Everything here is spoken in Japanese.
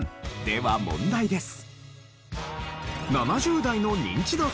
では問題です。